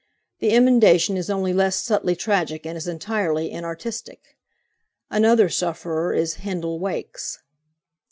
The emendation is only less subtly tragic and is entirely inartistic. Another sufferer is "Hindle Wakes."